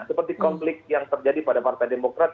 seperti konflik yang terjadi pada partai demokrat